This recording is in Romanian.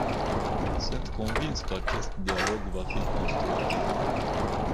Sunt convins că acest dialog va fi constructiv.